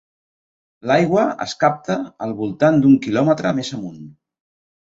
L'aigua es capta al voltant d'un quilòmetre més amunt.